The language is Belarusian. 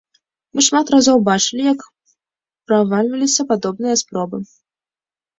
Мы шмат разоў бачылі, як правальваліся падобныя спробы.